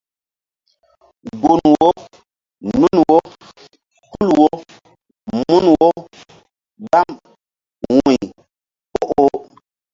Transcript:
Gun wo nun wo tul wo mun wo gbam wu̧y o oh.